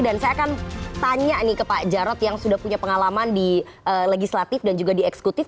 dan saya akan tanya nih ke pak jarod yang sudah punya pengalaman di legislatif dan juga di eksekutif